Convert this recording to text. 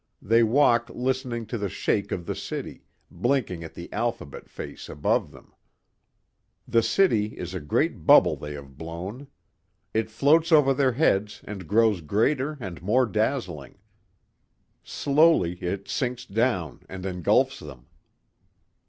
They walk listening to the shake of the city, blinking at the alphabet face above them. The city is a great bubble they have blown. It floats over their heads and grows greater and more dazzling. Slowly it sinks down and engulfs them.